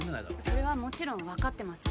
それはもちろんわかってます。